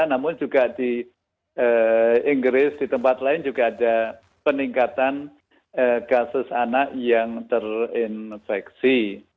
namun juga di inggris di tempat lain juga ada peningkatan kasus anak yang terinfeksi